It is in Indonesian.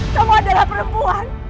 kamu adalah perempuan